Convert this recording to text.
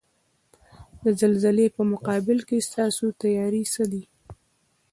د زلزلې په مقابل کې ستاسو تیاری څه دی؟